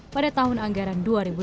pada tahun anggaran dua ribu delapan belas